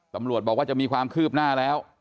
ตำรวจบอกว่าจะมีความคืบหน้าแล้ว